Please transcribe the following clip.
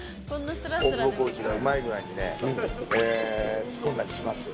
大久保コーチがうまい具合にね、ツッコんだりしますよ。